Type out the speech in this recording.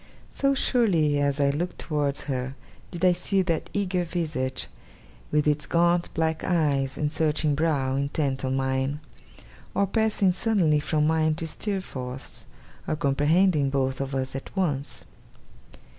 So surely as I looked towards her, did I see that eager visage, with its gaunt black eyes and searching brow, intent on mine; or passing suddenly from mine to Steerforth's; or comprehending both of us at once.